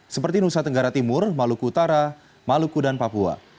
seperti nusa tenggara timur maluku utara maluku dan papua